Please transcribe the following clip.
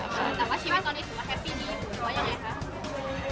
แต่ว่าชีวิตตอนนี้ถือว่าแฮปปี้ดีหรือว่ายังไงคะ